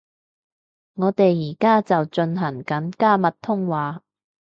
我哋而家就進行緊加密通話